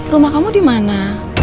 rumah kamu dimana